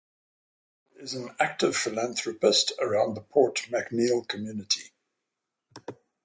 Mitchell is an active philanthropist around the Port McNeill community.